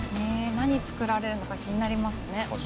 「何作られるのか気になりますね」